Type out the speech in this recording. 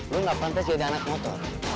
lu nggak pantas jadi anak motor